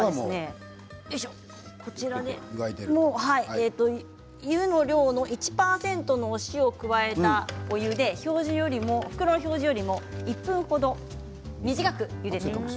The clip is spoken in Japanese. こちらで湯の量の１％のお塩を加えたお湯で表示よりも袋の表示よりも１分程短くゆでています。